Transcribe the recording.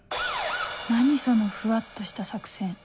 何そのふわっとした作戦